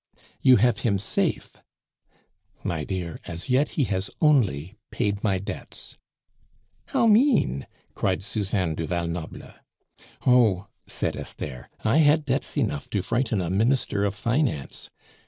"You have him safe " "My dear, as yet he has only paid my debts." "How mean!" cried Suzanne du Val Noble. "Oh!" said Esther, "I had debts enough to frighten a minister of finance.